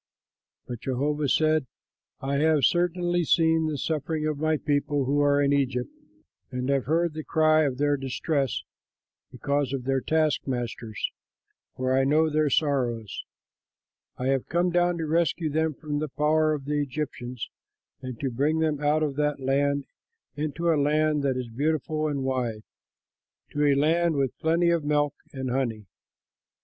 But Jehovah said, "I have certainly seen the suffering of my people who are in Egypt and have heard their cry of distress because of their taskmasters, for I know their sorrows. I have come down to rescue them from the power of the Egyptians and to bring them out of that land into a land that is beautiful and wide, to a land with plenty of milk and honey.